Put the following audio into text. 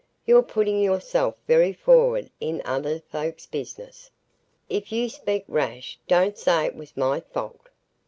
You're putting yourself very forrard in other folks's business. If you speak rash, don't say it was my fault."